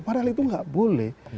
padahal itu nggak boleh